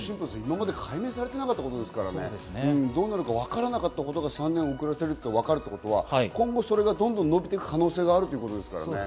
今まで、解明されていなかったことですから、どうなるかわからなかったことが３年遅らせられると分かったことは今後も延びていく可能性があることですからね。